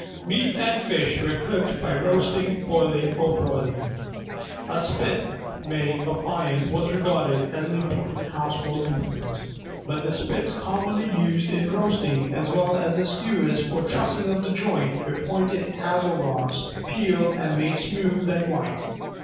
Meat and fish were cooked by roasting, boiling, or broiling. A spit (bir), made of iron, was regarded as an important household implement. But the spits commonly used in roasting, as well as the skewers for trussing up the joint, were pointed hazel rods, peeled and made smooth and white.